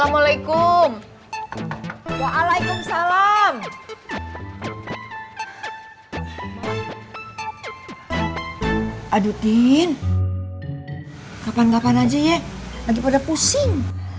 masuk aja yudin